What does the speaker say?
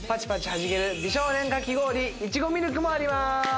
弾ける美少年かき氷いちごミルクもあります。